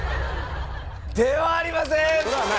ではありません！